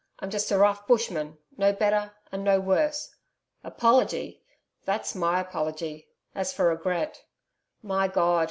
I'm just a rough bushman, no better and no worse. Apology! that's my apology As for regret. My God!